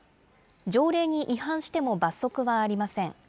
条例に違反しても罰則はありません。